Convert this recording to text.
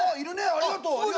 ありがとう！